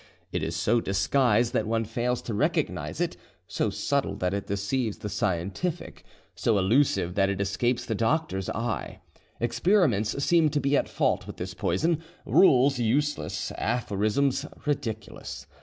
It is so disguised that one fails to recognise it, so subtle that it deceives the scientific, so elusive that it escapes the doctor's eye: experiments seem to be at fault with this poison, rules useless, aphorisms ridiculous.